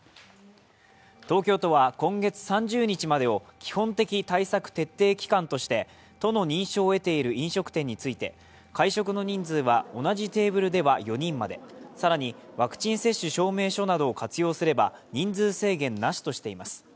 東京都は今月３０日までを基本的対策徹底期間として都の認証を得ている飲食店について会食の人数は同じテーブルでは４人まで、更にワクチン接種証明書などを活用すれば人数制限なしとしています。